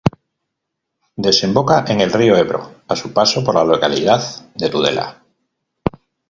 Desemboca en el río Ebro a su paso por la localidad de Tudela.